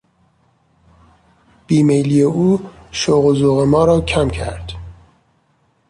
بیمیلی او شوق و ذوق ما را کم کرد.